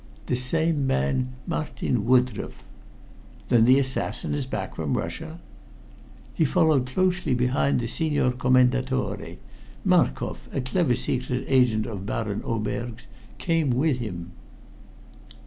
"The same man, Martin Woodroffe." "Then the assassin is back from Russia?" "He followed closely behind the Signor Commendatore. Markoff, a clever secret agent of Baron Oberg's, came with him."